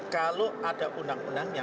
kalau ada undang undangnya